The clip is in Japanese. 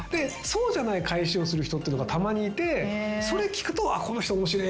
そうじゃない返しをする人ってのがたまにいてそれ聞くとこの人面白え。